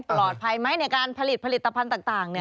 ปลอดภัยไหมในการผลิตผลิตภัณฑ์ต่าง